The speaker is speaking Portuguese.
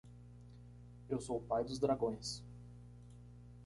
Eu sou o pai dos dragões.